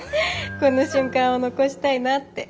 この瞬間を残したいなって。